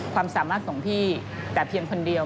ความสามารถของพี่แต่เพียงคนเดียว